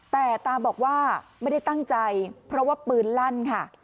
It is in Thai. แต่ตาบอกว่าไม่ได้ตั้งใจเพราะว่าปืนลั่นค่ะ